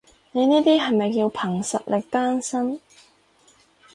你呢啲係咪叫憑實力單身？